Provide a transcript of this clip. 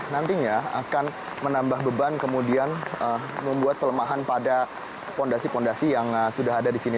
nantinya akan menambah beban kemudian membuat pelemahan pada fondasi fondasi yang sudah ada di sini